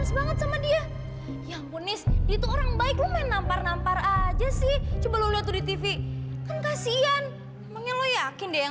sampai jumpa di video selanjutnya